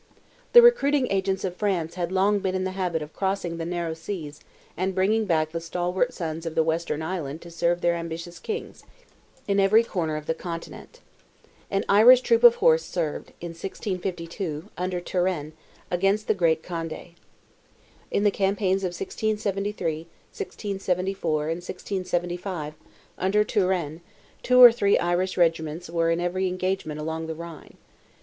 The recruiting agents of France had long been in the habit of crossing the narrow seas, and bringing back the stalwart sons of the western Island to serve their ambitious kings, in every corner of the continent. An Irish troop of horse served, in 1652, under Turenne, against the great Conde. In the campaigns of 1673, 1674 and 1675, under Turenne, two or three Irish regiments were in every engagement along the Rhine.